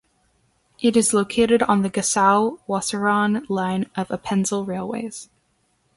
It is located on the Gossau–Wasserauen line of Appenzell Railways.